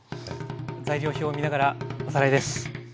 材料表を見ながらおさらいです。